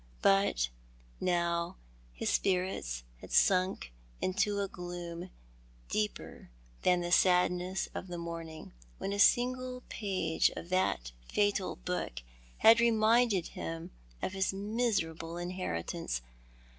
But now his spirits had sunk into a gloom deeper than the sadness of the morning when a single page of that fatal book had reminded him of his miserable inheritance.